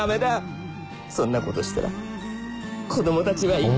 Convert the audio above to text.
「そんなことしたら子供たちは生きて」